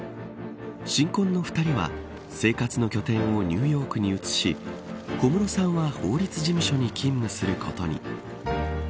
新婚の２人は生活の拠点をニューヨークに移し小室さんは法律事務所に勤務することに。